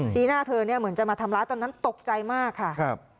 หน้าเธอเนี่ยเหมือนจะมาทำร้ายตอนนั้นตกใจมากค่ะ